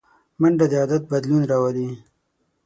منډه د عادت بدلون راولي